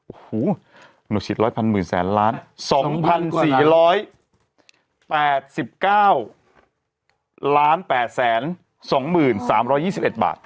โอ้โหหนูชิดร้อยพันหมื่นแสนล้าน๒๔๘๙ล้าน๘๐๒๓๒๑บาท